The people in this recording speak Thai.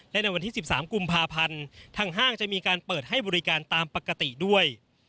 และในวันที่๑๓กุมภาพันธ์ทางห้างจะมีการเปิดให้บริการตามปกติด้วย